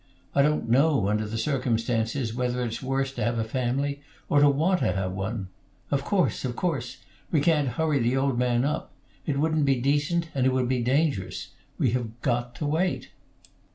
I don't know, under the circumstances, whether it's worse to have a family or to want to have one. Of course of course! We can't hurry the old man up. It wouldn't be decent, and it would be dangerous. We got to wait."